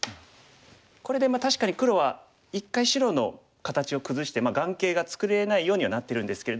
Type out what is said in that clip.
これで確かに黒は一回白の形を崩して眼形が作れないようにはなってるんですけれども。